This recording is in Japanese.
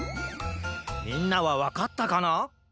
みんなはわかったかな？